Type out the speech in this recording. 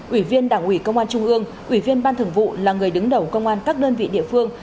ủy viên đảng ủy công an trung ương ủy viên ban thường vụ là người đứng đầu công an các đơn vị địa phương